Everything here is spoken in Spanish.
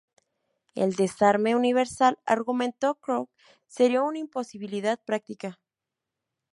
El desarme universal, argumentó Crowe, sería una imposibilidad práctica.